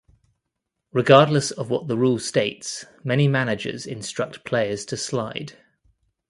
Regardless of what the rule states, many managers instruct players to slide.